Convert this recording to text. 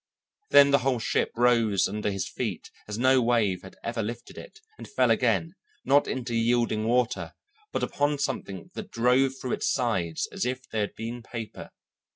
Then the whole ship rose under his feet as no wave had ever lifted it, and fell again, not into yielding water, but upon something that drove through its sides as if they had been paper.